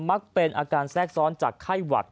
มักเป็นอาการแซ่คซ้อนจากใคร่หวัด